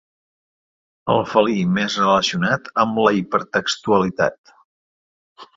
El felí més relacionat amb l'hipertextualitat.